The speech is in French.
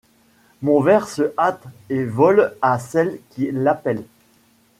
Mon vers se hâte et vole à celle qui l'appelle.